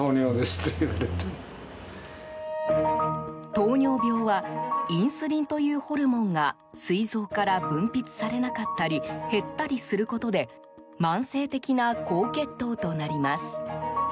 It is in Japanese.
糖尿病はインスリンというホルモンが膵臓から分泌されなかったり減ったりすることで慢性的な高血糖となります。